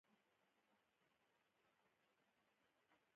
ګاونډي ته ښه نیت لرل، د زړه پاکوالی ښيي